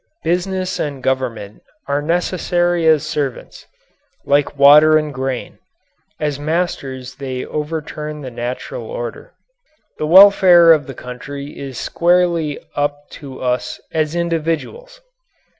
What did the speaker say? Business and government are necessary as servants, like water and grain; as masters they overturn the natural order. The welfare of the country is squarely up to us as individuals.